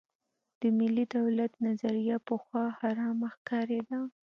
د ملي دولت نظریه پخوا حرامه ښکارېده.